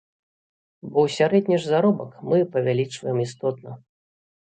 Бо сярэдні ж заробак мы павялічваем істотна.